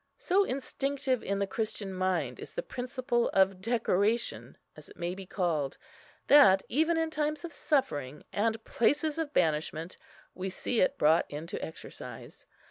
So instinctive in the Christian mind is the principle of decoration, as it may be called, that even in times of suffering, and places of banishment, we see it brought into exercise.